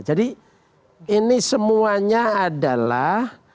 jadi ini semuanya adalah